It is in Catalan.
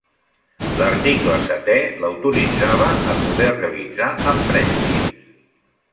L'article setè l'autoritzava a poder realitzar emprèstits.